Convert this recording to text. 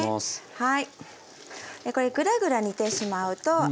はい。